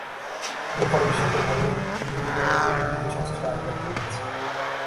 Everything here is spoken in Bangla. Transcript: এর ফলে বিস্ময়করভাবে নীরবেনিভৃতে সংশ্লিষ্ট আইনের ব্যত্যয় ঘটেছে।